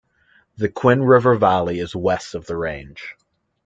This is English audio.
The Quinn River Valley is west of the range.